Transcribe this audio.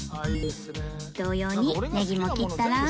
同様にネギも切ったら